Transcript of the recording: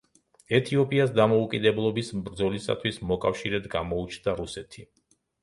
ეთიოპიას დამოუკიდებლობის ბრძოლისთვის მოკავშირედ გამოუჩნდა რუსეთი.